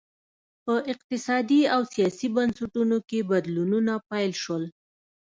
په اقتصادي او سیاسي بنسټونو کې بدلونونه پیل شول